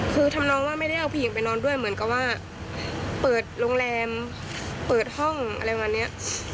คือทำนองว่าไม่ได้เอาผู้หญิงไปนอนด้วยเหมือนกับว่าเปิดโรงแรมเปิดห้องอะไรประมาณเนี้ย